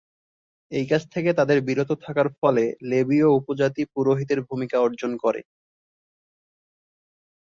এই কাজ থেকে তাদের বিরত থাকার ফলে, লেবীয় উপজাতি পুরোহিতের ভূমিকা অর্জন করে।